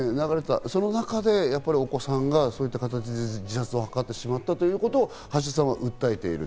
その中でお子さんがそういった形で自殺をしてしまったということも訴えている。